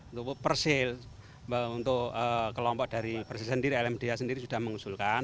untuk persil untuk kelompok dari persil sendiri lmda sendiri sudah mengusulkan